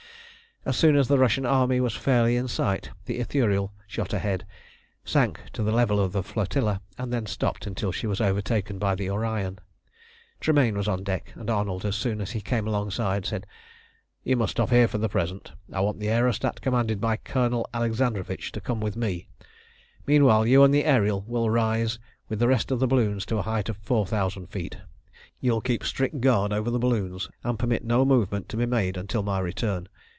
As soon as the Russian army was fairly in sight the Ithuriel shot ahead, sank to the level of the flotilla, and then stopped until she was overtaken by the Orion. Tremayne was on deck, and Arnold as soon as he came alongside said "You must stop here for the present. I want the aerostat commanded by Colonel Alexandrovitch to come with me; meanwhile you and the Ariel will rise with the rest of the balloons to a height of four thousand feet; you will keep strict guard over the balloons, and permit no movement to be made until my return.